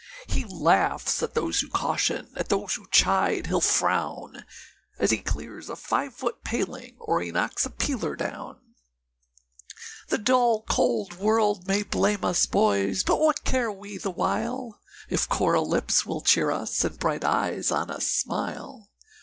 He laughs at those who caution, at those who chide he'll frown, As he clears a five foot paling, or he knocks a peeler down. The dull, cold world may blame us, boys! but what care we the while, If coral lips will cheer us, and bright eyes on us smile?